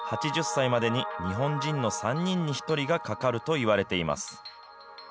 ８０歳までに日本人の３人に１人がかかるといわれています。